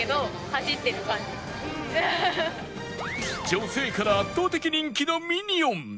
女性から圧倒的人気のミニオン